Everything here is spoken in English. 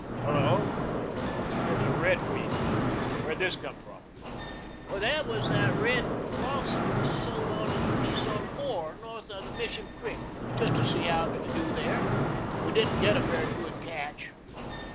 "Hello," he remarked, "here's a red wheat. Where did this come from?" "That's that red Clawson we sowed to the piece on Four, north the Mission Creek, just to see how it would do here. We didn't get a very good catch."